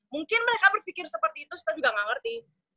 mungkin mereka berpikir seperti itu kita juga nggak ngerti